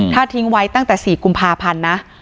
ถ้าทิ้งไว้ตั้งแต่๔กุมภาพันธ์นะ